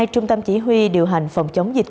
trung tâm chỉ huy điều hành phòng chống dịch